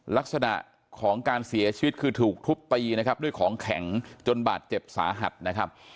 ลักษณะของการเสียชีวิตคือถูกทุบตีนะครับด้วยของแข็งจนบาดเจ็บสาหัสนะครับ